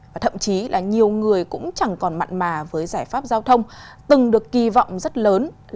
và thậm chí là nhiều người cũng chẳng còn mặn mà với giải pháp giao thông từng được kỳ vọng rất lớn